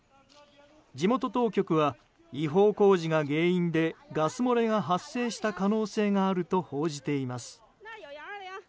地元当局は違法工事が原因でガス漏れが発生した可能性があると報じています。